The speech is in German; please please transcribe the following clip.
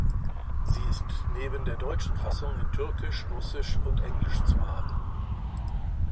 Sie ist neben der deutschen Fassung in Türkisch, Russisch und Englisch zu haben.